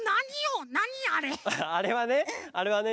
あれはねあれはね